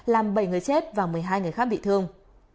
làm bảy người chết và một mươi hai người khác bị thương